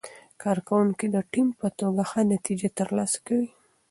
کارکوونکي د ټیم په توګه ښه نتیجه ترلاسه کوي